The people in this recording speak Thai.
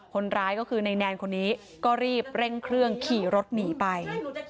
คนร้ายก็คือในแนนคนนี้ก็รีบเร่งเครื่องขี่รถหนีไป